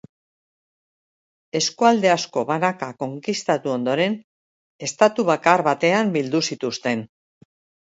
Eskualde asko banaka konkistatu ondoren, estatu bakar batean bildu zituzten.